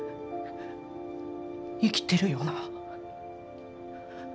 生きてるよな？